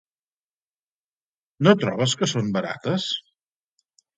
No trobes que són barates?